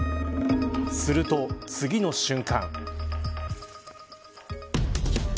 すると、次の瞬間。